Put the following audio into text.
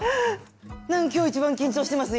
なんか今日一番緊張してます。